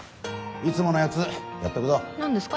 いつものやつやっとくぞ何ですか？